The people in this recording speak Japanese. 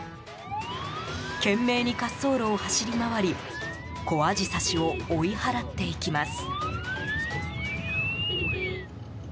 懸命に滑走路を走り回りコアジサシを追い払っていきます。